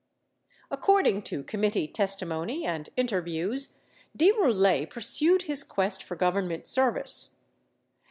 According to committee testimony and interviews, De Boulet pur sued his quest for Government service.